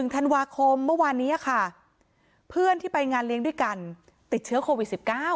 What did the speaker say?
ธันวาคมเมื่อวานนี้ค่ะเพื่อนที่ไปงานเลี้ยงด้วยกันติดเชื้อโควิด๑๙